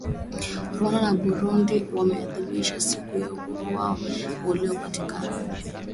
Rwanda na Burundi za adhimisha siku ya uhuru wao uliopatikana